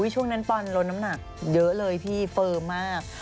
ช่วงนั้นปอนลดน้ำหนักเยอะเลยพี่เฟิร์มมาก